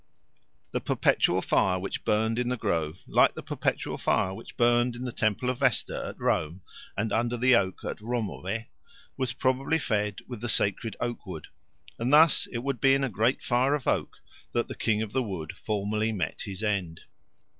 The perpetual fire which burned in the grove, like the perpetual fire which burned in the temple of Vesta at Rome and under the oak at Romove, was probably fed with the sacred oak wood; and thus it would be in a great fire of oak that the King of the Wood formerly met his end.